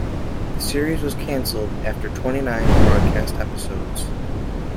The series was canceled after twenty-nine broadcast episodes.